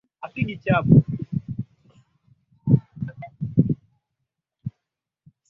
Somo la kiburi maalum cha kiume Tabia ya Turk